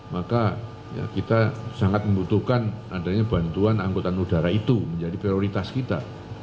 maka kita sangat membutuhkan adanya bantuan angkutan udara itu menjadi prioritas kita